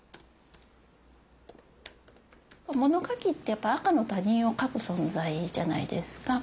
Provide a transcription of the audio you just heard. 物書きってやっぱ赤の他人を書く存在じゃないですか。